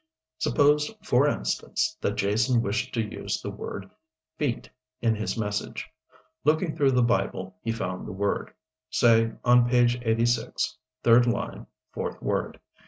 Suppose, for instance, that Jason wished to use the word "feet" in his message. Looking through the Bible he found the word say on page 86, third line, fourth word.